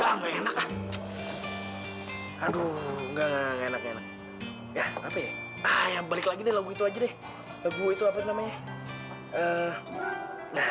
hai ah enggak enggak enak enak ya tapi ayo balik lagi lagu itu aja deh lagu itu apa namanya